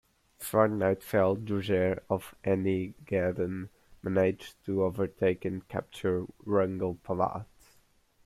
Before night fell, Drejer of "Enigheden" managed to overtake and capture "Wrangel Palats".